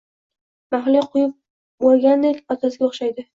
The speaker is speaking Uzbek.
Mahliyo quyib qo`ygandek otasiga o`xshaydi